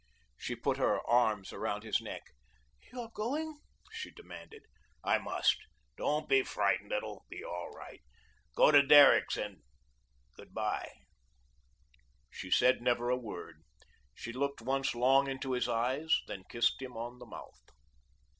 She put her arms around his neck. "You're going?" she demanded. "I must. Don't be frightened. It will be all right. Go to Derrick's and good bye." She said never a word. She looked once long into his eyes, then kissed him on the mouth.